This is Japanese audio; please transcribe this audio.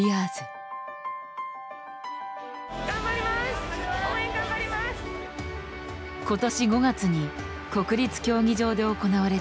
今年５月に国立競技場で行われた優勝決定戦。